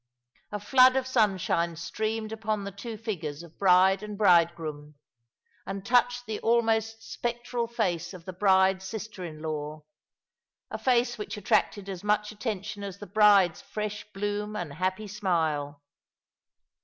A flood of sunshine streamed upon the two figures of bride and bride groom, and touched the almost spectral face of the bride's Bister in law, a face which attracted as much attention as the bride's fresh bloom and happy smile.